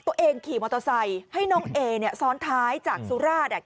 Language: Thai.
ตัวเองขี่มอเตอร์ไซค์ให้น้องเอซ้อนท้ายจากสุราษฎร์ธานี